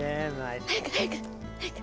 早く早く！早く。